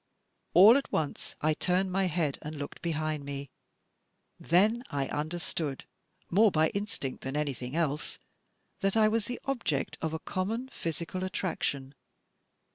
All at once, I turned my head and looked behind me. Then I imderstood, more by instinct than anything else, that I was the object of a common physical attraction.